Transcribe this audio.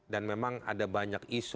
dan memang ada banyak isu